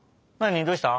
「どうした？」